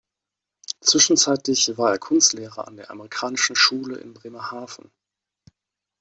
Zwischenzeitlich war er Kunstlehrer an der amerikanischen Schule in Bremerhaven.